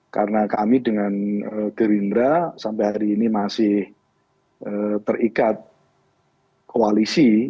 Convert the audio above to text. karena kami dengan gerindra sampai hari ini masih terikat koalisi